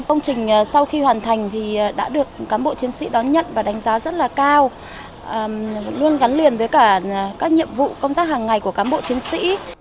công trình sau khi hoàn thành thì đã được cán bộ chiến sĩ đón nhận và đánh giá rất là cao luôn gắn liền với cả các nhiệm vụ công tác hàng ngày của cán bộ chiến sĩ